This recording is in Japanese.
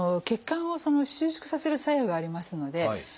血管を収縮させる作用がありますので。